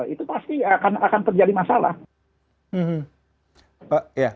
itu pasti akan terjadi masalah